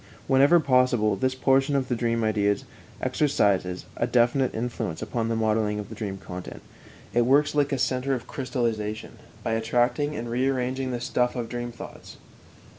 Whenever possible, this portion of the dream ideas exercises a definite influence upon the modelling of the dream content; it works like a center of crystallization, by attracting and rearranging the stuff of the dream thoughts.